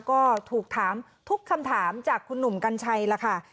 ก็ถูกถามทุกคำถามจากคุณหนุ่มกัญชัยล่ะค่ะ